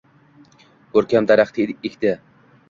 Ko'rkam daraxt ekdi